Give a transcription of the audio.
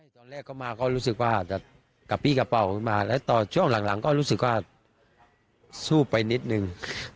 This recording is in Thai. ตอนแรกก็มาก็รู้สึกว่าจะกระปี้กระเป๋าขึ้นมาแล้วตอนช่วงหลังก็รู้สึกว่าสู้ไปนิดนึง